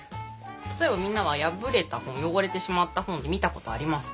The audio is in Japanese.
たとえばみんなはやぶれたほんよごれてしまったほんってみたことありますか？